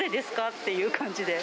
っていう感じ